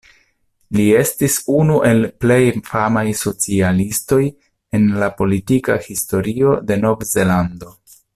Li estis unu el plej famaj socialistoj en la politika historio de Novzelando.